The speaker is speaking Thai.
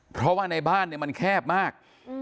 เพราะว่าในบ้านมันแคบมาก